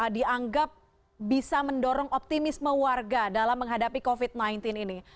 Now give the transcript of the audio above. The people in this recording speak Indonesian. dianggap bisa mendorong optimisme warga dalam menghadapi covid sembilan belas ini